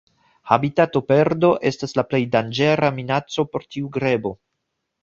Habitatoperdo estas la plej danĝera minaco por tiu grebo.